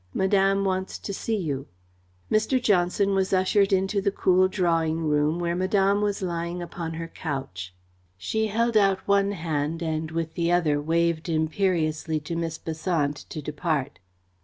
"Madame wants to see you." Mr. Johnson was ushered into the cool drawing room, where Madame was lying upon her couch. She held out one hand and with the other waved imperiously to Miss Besant to depart.